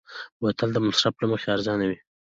بوتل د مصرف له مخې ارزانه وي.